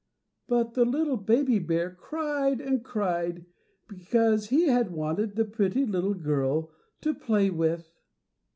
But the little baby bear cried and cried because he had wanted the pretty little girl to play with.